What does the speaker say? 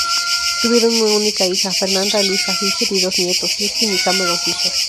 Tuvieron una única hija, Fernanda Luisa Fisher, y dos nietos, Justin y Cameron Fisher.